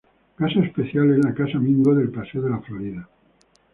Caso especial es la Casa Mingo del Paseo de la Florida.